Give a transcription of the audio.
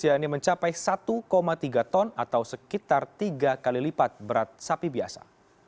yang mencapai satu tiga ton atau sekitar tiga kali lipat berat sapi biasa